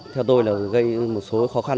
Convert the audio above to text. theo tôi là gây một số khó khăn